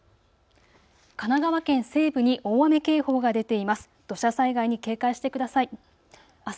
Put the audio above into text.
神奈川県西部に大雨警報が出ています。